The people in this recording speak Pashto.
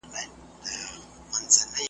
ته به شکرباسې ځکه چي ښایسته یم .